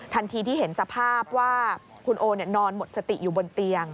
ทันทีที่เห็นสภาพว่าคุณโอนอนหมดสติอยู่บนเตียง